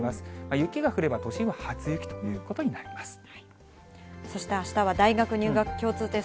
雪が降れば、都心は初雪ということになります。